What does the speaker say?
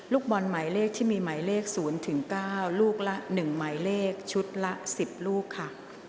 ลูกบอลหมายเลขที่มีหมายเลข๐๙ลูกละ๑หมายเลขชุดละ๑๐ลูกค่ะ